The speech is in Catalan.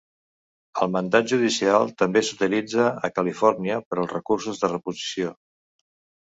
El mandat judicial també s'utilitza a Califòrnia per als recursos de reposició.